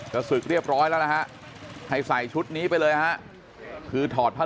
ก็ศึกเรียบร้อยแล้วนะฮะให้ใส่ชุดนี้ไปเลยฮะคือถอดผ้า